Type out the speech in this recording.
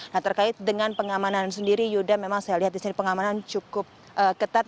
nah terkait dengan pengamanan sendiri yudha memang saya lihat disini pengamanan cukup ketat